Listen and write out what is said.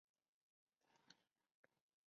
布雷松维勒人口变化图示